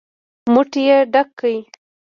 موټ يې ډک کړ.